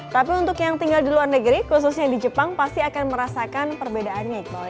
tapi untuk yang tinggal di luar negeri khususnya di jepang pasti akan merasakan perbedaannya iqbal